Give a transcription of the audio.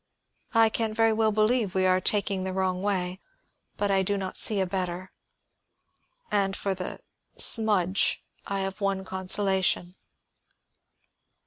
I can very well believe we are taking the wrong way, but I do not see a better. And for the smudge I have one consolation."